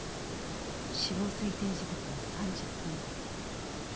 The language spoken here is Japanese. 死亡推定時刻の３０分前。